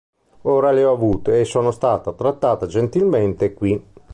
Ora le ho avute e sono stata trattata gentilmente qui.